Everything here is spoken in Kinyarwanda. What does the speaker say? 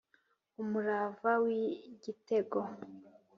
Umurava w'igitego